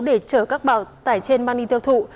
để chở các bào tải trên mang đi tiêu thụ